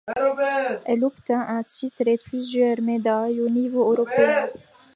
Elle obtint un titre et plusieurs médailles au niveau européen.